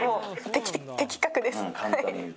的確です。